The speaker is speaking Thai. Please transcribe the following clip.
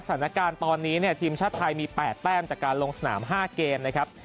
สถานการณ์ตอนนี้เนี่ยทีมชาติไทยมี๘แต้มจากการลงสนาม๕เกมนะครับ